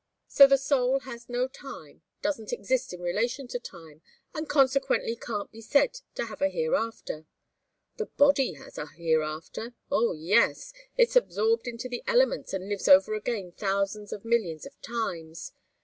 So the soul has no time, doesn't exist in relation to time, and consequently can't be said to have a hereafter. The body has a hereafter oh, yes it's absorbed into the elements and lives over again thousands of millions of times.